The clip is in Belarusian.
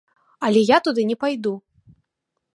Але я туды не пайду.